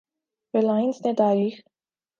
Reliance نے تاریخ